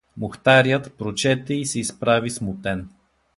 Мухтарят прочете и се изправи смутен.